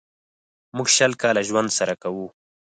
موږ شل کاله ژوند سره کوو.